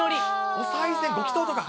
おさい銭、ご祈とうとか。